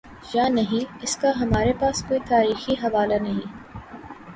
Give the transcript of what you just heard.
یانہیں، اس کا ہمارے پاس کوئی تاریخی حوالہ نہیں۔